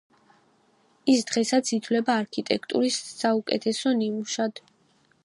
ის დღესაც ითვლება არქიტექტურის საუკეთესო ნიმუშად.